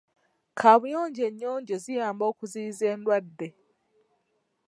Kaabuyonjo ennyonjo ziyamba okuziiyiza endwadde.